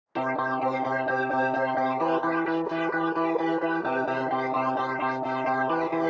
kisah kisah yang terbaik di wilayah bogor selatan